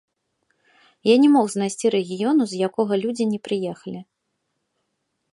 Я не мог знайсці рэгіёну, з якога людзі не прыехалі.